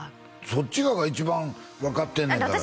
そっちが一番分かってんねんからだって